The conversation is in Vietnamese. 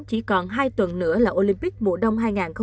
chỉ còn hai tuần nữa là olympic mùa đông